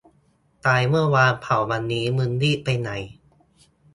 ตายเมื่อวาน เผาวันนี้ มึงรีบไปไหน